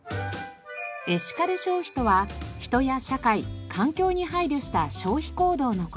エシカル消費とは人や社会環境に配慮した消費行動の事。